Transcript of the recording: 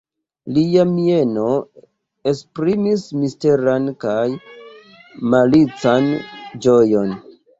Lia mieno esprimis misteran kaj malican ĝojon.